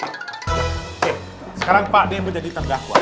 oke sekarang pakde menjadi tanggaku